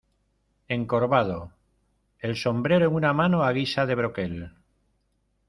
encorvado, el sombrero en una mano a guisa de broquel